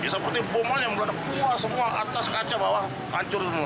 seperti bom yang berada di bawah semua atas kaca bawah hancur semua